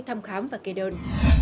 thăm khám và kê đơn